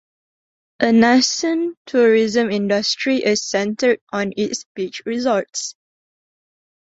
A nascent tourism industry is centered on its beach resorts.